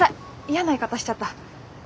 嫌な言い方しちゃった。